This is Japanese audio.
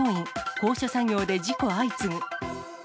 高所作業で事故相次ぐ。